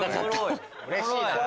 うれしいな。